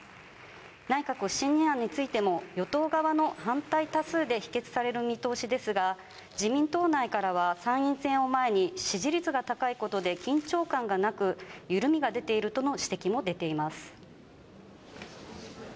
内閣不信任案についても、与党側の反対多数で否決される見通しですが、自民党内からは、参院選を前に、支持率が高いことで緊張感がなく、ゆるみが出ているとの指摘も出ています。